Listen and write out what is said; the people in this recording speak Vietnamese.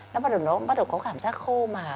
nó bắt đầu có cảm giác khô